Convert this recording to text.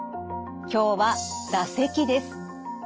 今日は唾石です。